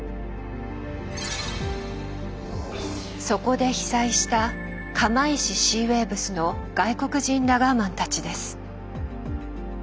そこで被災した「釜石シーウェイブス」の外国人ラガーマンたちです。